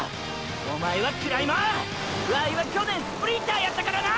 おまえはクライマーワイは去年スプリンターやったからな！！